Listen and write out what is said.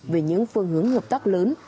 về những phương hướng hợp tác lớn